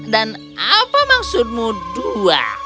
dan apa maksudmu dua